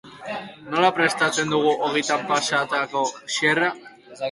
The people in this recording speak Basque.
Nola prestatzen dugu ogitan pasatako xerra?